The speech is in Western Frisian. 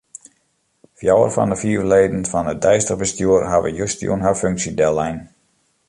Fjouwer fan 'e fiif leden fan it deistich bestjoer hawwe justerjûn har funksje dellein.